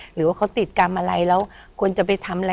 หรือว่าเขาติดกรรมอะไรแล้วควรจะไปทำอะไร